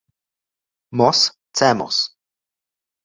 mos, cmos